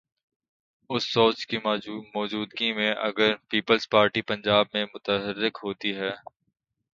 اس سوچ کی موجودگی میں، اگر پیپلز پارٹی پنجاب میں متحرک ہوتی ہے۔